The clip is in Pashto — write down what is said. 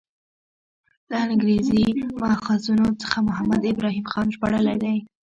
له انګریزي ماخذونو څخه محمد ابراهیم خان ژباړلی دی.